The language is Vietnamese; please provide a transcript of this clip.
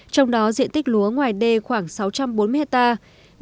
trong đó diện tích lúa ngoài đê khoảng sáu trăm bốn mươi hectare